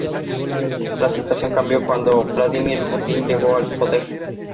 La situación cambió cuando Vladímir Putin llegó al poder.